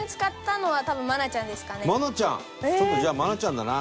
ちょっとじゃあ愛菜ちゃんだな